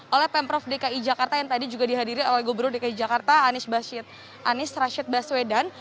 oleh pemprov dki jakarta yang tadi juga dihadiri oleh gubernur dki jakarta anies rashid baswedan